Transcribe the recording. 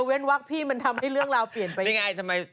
วนได้ว่ามันทำให้เรื่องราวเปลี่ยนไป